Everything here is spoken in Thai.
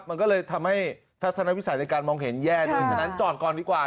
มันก็เลยทำให้ทัศนวิสัยในการมองเห็นแย่ด้วยฉะนั้นจอดก่อนดีกว่า